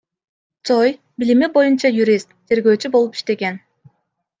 Цой — билими боюнча юрист, тергөөчү болуп иштеген.